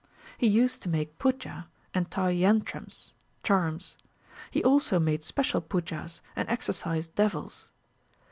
He used to make puja, and tie yantrams (charms). He also made special pujas, and exorcised devils.